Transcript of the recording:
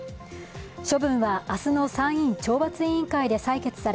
処分は明日の参院・懲罰委員会で採決され